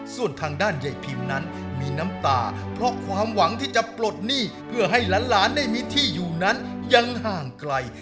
ส่วนทางด้านใยพิมนั้นมีน้ำตาเพราะความหวังที่จะปลดหนี้เพื่อให้หลานได้มีที่อยู่นั้นยังห่างไกล